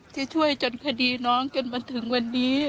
ที่ช่วยจนคดีน้องจนมาถึงวันนี้